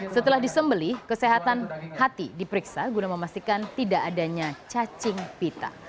setelah disembelih kesehatan hati diperiksa guna memastikan tidak adanya cacing pita